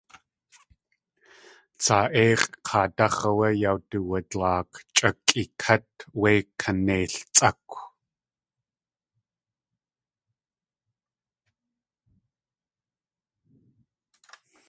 Tsaa Éix̲ʼ kaadáx̲ áwé yawtuwadlaak̲ chʼa kʼikát wé kaneiltsʼákw.